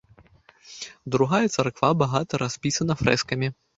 Другая царква багата распісана фрэскамі.